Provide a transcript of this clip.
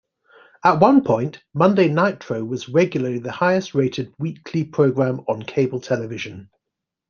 At one point, "Monday Nitro" was regularly the highest-rated weekly program on cable television.